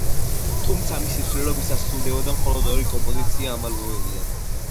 თუმცა, მისი მსვლელობისას სრულდებოდა მხოლოდ ორი კომპოზიცია ამ ალბომიდან.